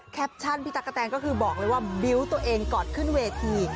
แคปชั่นพี่ตั๊กกะแตนก็คือบอกเลยว่าบิวต์ตัวเองก่อนขึ้นเวที